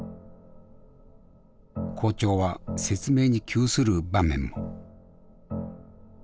校長は説明に窮する場面も。